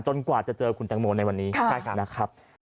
กว่าจะเจอคุณแตงโมในวันนี้นะครับ